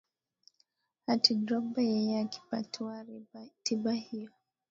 ati drogba yeye akipatiwa tiba hiyo